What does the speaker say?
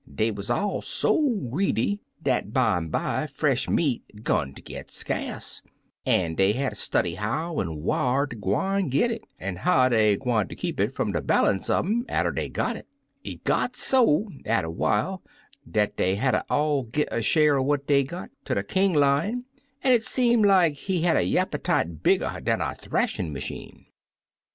Dey wuz all so greedy dat bimeby fresh meat 'gun ter git skace, an' dey hatter study how an' whar dey gwine git it, an' how dey gwine keep it fum de balance un um atter dey got it. It got so, atter while, dat dey hatter all gi' a sheer er what dey got ter King Lion, an' it seem like he had a y'appe tite bigger dan a th'ashin' machine.